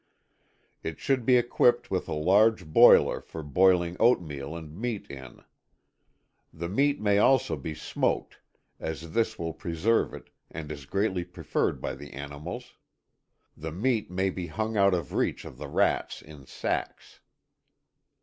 It should be equipped with a large boiler for boiling oatmeal and meat in. The meat may also be smoked as this will preserve it, and is greatly preferred by the animals. The meat may be hung out of reach of the rats in sacks.